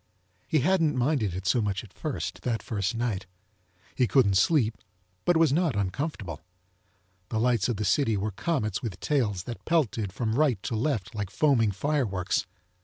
He hadn't minded it so much at first, that first nite. He couldn't sleep, but it was not uncomfortable. The lites of the city were comets with tails that pelted from rite to left like foaming fireworks.